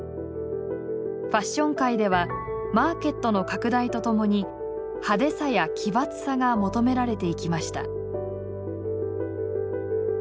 ファッション界ではマーケットの拡大とともに派手さや奇抜さが求められていきました。